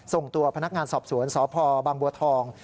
ส่งตัวพนักงานสอบสวนสพบางบัวทอง